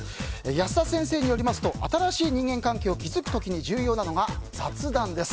安田先生によりますと新しい人間関係を築く時に重要なのが雑談です。